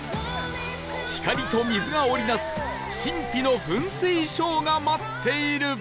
光と水が織り成す神秘の噴水ショーが待っている